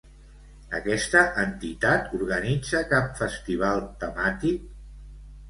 Aquesta entitat organitza cap festival temàtic?